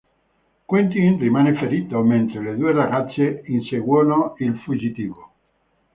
Quentin rimane ferito, mentre le due ragazze inseguono il fuggitivo.